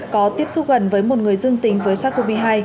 có tiếp xúc gần với một người dương tính với sars cov hai